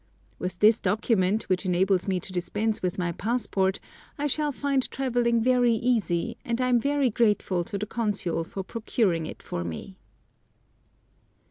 With this document, which enables me to dispense with my passport, I shall find travelling very easy, and I am very grateful to the Consul for procuring it for me.